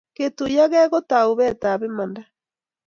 ketuiyo Kee ko taubet ab imandaa